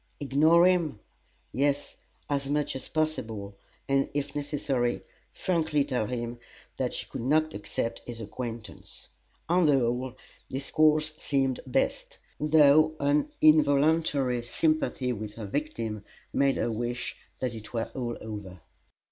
Ignore him? Yes, as much as possible, and, if necessary, frankly tell him that she could not accept his acquaintance. On the whole, this course seemed best, though an involuntary sympathy with her victim made her wish that it were all over.